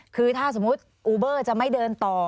คือถ้าสมมุติอูเบอร์จะไม่เดินต่อ